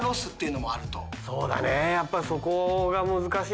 そうだね。